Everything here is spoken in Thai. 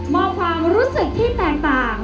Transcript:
มองความรู้สึกที่แตกต่าง